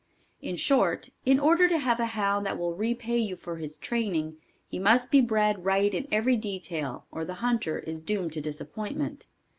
In short, in order to have a hound that will repay you for his training, he must be bred right in every detail or the hunter is doomed to disappointment.